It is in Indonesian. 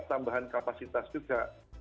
tambahan kapasitas juga